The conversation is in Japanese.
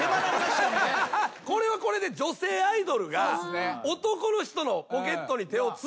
これはこれで女性アイドルが男の人のポケットに手を突っ込むというか。